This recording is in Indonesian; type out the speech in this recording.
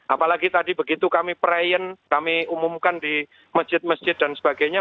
apalagi tadi begitu kami priyan kami umumkan di masjid masjid dan sebagainya